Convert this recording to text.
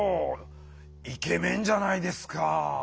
イケメンじゃないですか。